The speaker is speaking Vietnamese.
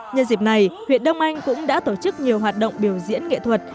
nhân dịp này huyện đông anh cũng đã tổ chức nhiều hoạt động biểu diễn nghệ thuật